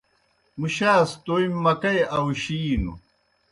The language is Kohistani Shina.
مُشا سہ تومیْ مکئی آؤشِینوْ۔